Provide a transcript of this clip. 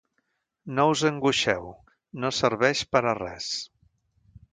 No us angoixeu; no serveix per a res.